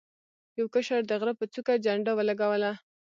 یو کشر د غره په څوکه جنډه ولګوله.